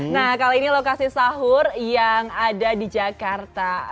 nah kali ini lokasi sahur yang ada di jakarta